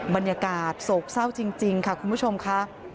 บรรยากาศโศกเศร้าจริงค่ะคุณผู้ชมค่ะ